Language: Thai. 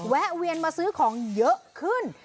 แวะเวียนมาซื้อของเยอะขึ้น